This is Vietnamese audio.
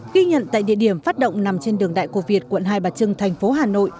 ghi nhận tại địa điểm phát động nằm trên đường đại cổ việt quận hai bà trưng thành phố hà nội